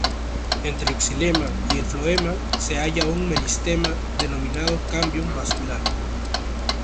Entre el xilema y el floema se halla un meristema denominado cámbium vascular.